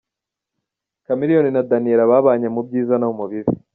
Chameleone na Daniella babanye mu byiza no mu bibi.